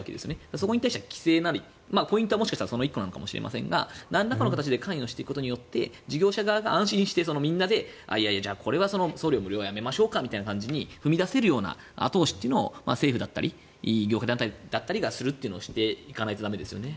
そこに対しては規制なりポイントはもしかしたらその１つなのかもしれませんがなんらかの介入してくことで事業者側が安心してみんなでいやいや、これは送料無料やめましょうかみたいな感じに踏み出せるような後押しを政府だったり業界なんかがしていかないと駄目ですよね。